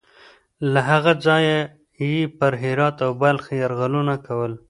له هغه ځایه یې پر هرات او بلخ یرغلونه کول.